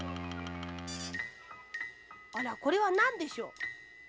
あらこれはなんでしょう？